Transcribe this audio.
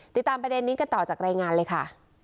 ติดตามประเด็นนี้กันต่อจากรายงานเลยค่ะ